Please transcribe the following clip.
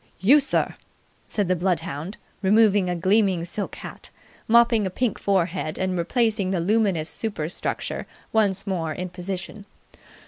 "You, sir!" said the bloodhound, removing a gleaming silk hat, mopping a pink forehead, and replacing the luminous superstructure once more in position.